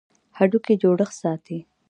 هډوکي جوړښت ساتي.